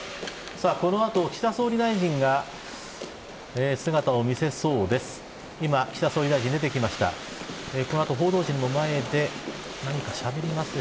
この後、岸田総理大臣が姿を見せそうです。